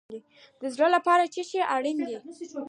د زړه لپاره څه شی اړین دی؟